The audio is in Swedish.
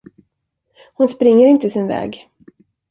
Hon springer inte sin väg!